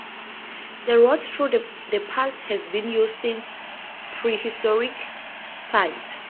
The route through the pass has been used since prehistoric times.